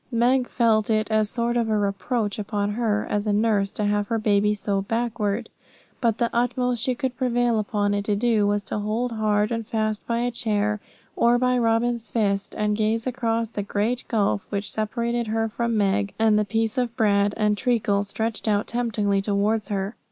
Meg felt it as a sort of reproach upon her, as a nurse, to have her baby so backward. But the utmost she could prevail upon it to do was to hold hard and fast by a chair, or by Robin's fist, and gaze across the great gulf which separated her from Meg and the piece of bread and treacle stretched out temptingly towards her.